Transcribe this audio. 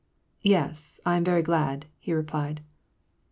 " Yes, I am very glad," he replied.